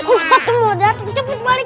ustadz kemudar cepet balik ke kamar ini